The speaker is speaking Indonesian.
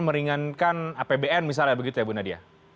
meringankan apbn misalnya begitu ya bu nadia